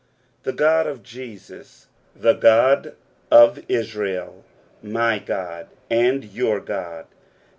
The God of Jesus, the God of Israel, "my Qod ana your God."